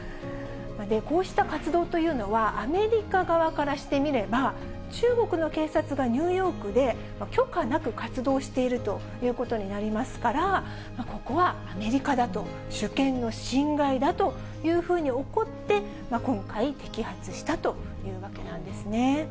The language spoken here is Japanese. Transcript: こうした活動というのは、アメリカ側からしてみれば、中国の警察がニューヨークで、許可なく活動しているということになりますから、ここはアメリカだと、主権の侵害だというふうに怒って、今回、摘発したというわけなんですね。